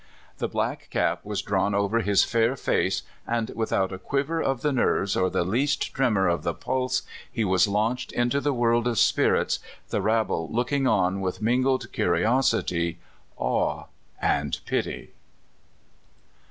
The black cap was drawn over his fair face, and without a quiver of the nerves or the least tremor of the pulse he was launched into the world of spirits, the rabble looking on with mingled curios ity, awe, and pity.